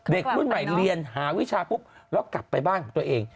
เด็กรุ่นใหม่เรียนหาวิชาปุ๊บแล้วกลับไปบ้านของตัวเอง